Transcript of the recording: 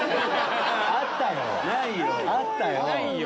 あったよ！